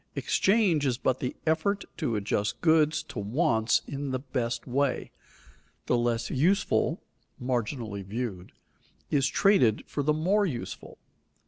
Exchange is but the effort to adjust goods to wants in the best way. The less useful (marginally viewed) is traded for the more useful.